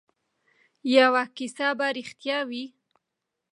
یوه کیسه به ریښتیا وي.